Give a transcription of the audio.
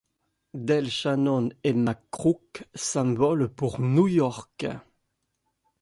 Del Shannon et Max Crook s'envolent pour New York.